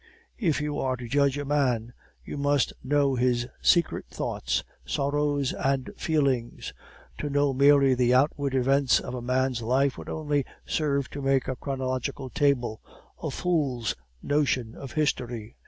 If you are to judge a man, you must know his secret thoughts, sorrows, and feelings; to know merely the outward events of a man's life would only serve to make a chronological table a fool's notion of history."